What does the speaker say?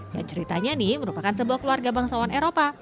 yang ceritanya nih merupakan sebuah keluarga bangsawan eropa